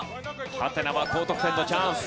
ハテナは高得点のチャンス。